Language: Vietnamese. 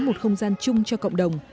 một không gian chung cho cộng đồng